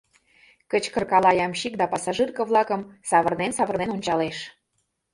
— кычкыркала ямщик да пассажирже-влакым савырнен-савырнен ончалеш.